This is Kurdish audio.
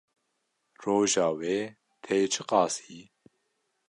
Roja wê tê çi qasî?